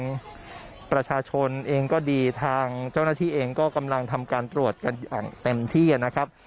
ประชาชนเองก็ดีทางเจ้าหน้าที่เองก็กำลังทำการตรวจกันอย่างเต็มที่นะครับ